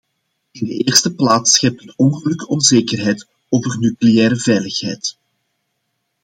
In de eerste plaats schept het ongeluk onzekerheid over nucleaire veiligheid.